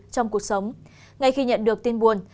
trong cuộc sống ngay khi nhận được tin buồn